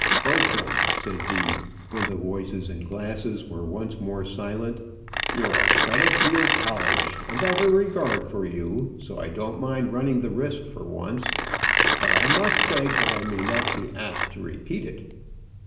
"Bertram," said he, when the voices and glasses were once more silent, "you're a credit to your college, and I've a regard for you; so I don't mind running the risk for once. But I must beg that I may not be asked to repeat it."